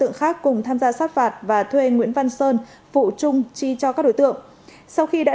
tượng khác cùng tham gia sát phạt và thuê nguyễn văn sơn phụ trung chi cho các đối tượng sau khi đã